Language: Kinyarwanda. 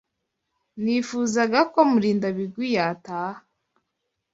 Nifuzaga ko Murindabigwi yataha.